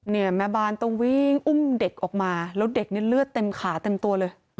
เนี่ยแม่บ้านต้องวิ่งอุ้มเด็กออกมาแล้วเด็กนี่เลือดเต็มขาเต็มตัวเลย